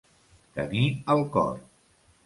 Tenir al cor.